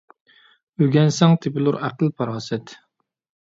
ئۆگەنسەڭ تېپىلۇر ئەقىل - پاراسەت .